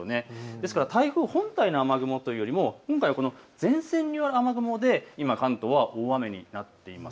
ですから台風本体の雨雲というよりも前線による雨雲で今、関東は大雨になっています。